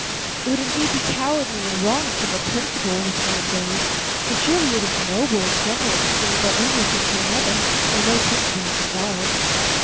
"It would indeed be cowardly and wrong to give up principle," replied Rose, "but surely it is noble and generous to give up our own wishes to another, where no principle is involved."